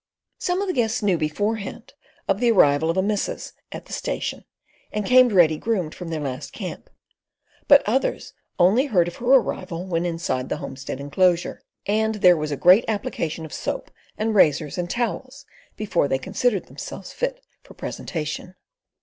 Some of the guests knew beforehand of the arrival of a missus at the station, and came ready groomed from their last camp; but others only heard of her arrival when inside the homestead enclosure, and there was a great application of soap, and razors, and towels before they considered themselves fit for presentation.